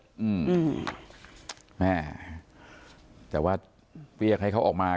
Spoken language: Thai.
อืมแม่แต่ว่าเรียกให้เขาออกมา